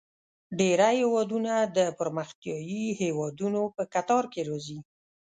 ډیری هیوادونه د پرمختیايي هیوادونو په کتار کې راځي.